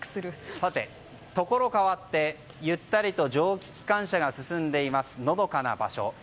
ところ変わってゆったりと蒸気機関車が進んでいます、のどかな場所。